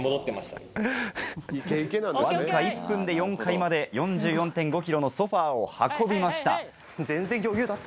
わずか１分で４階まで４４．５ｋｇのソファを運びました。